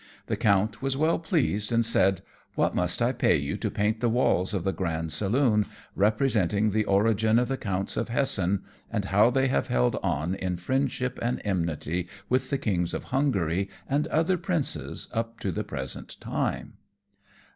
The Count was well pleased, and said, "What must I pay you to paint the walls of the grand saloon, representing the origin of the Counts of Hessen, and how they have held on in friendship and enmity with the kings of Hungary, and other princes up to the present time?"